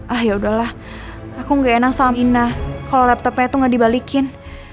ah yaudahlah aku gak enak sama dina kalo laptopnya tuh gak dibalikin